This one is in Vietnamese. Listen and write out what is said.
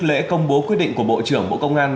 lễ công bố quyết định của bộ trưởng bộ công an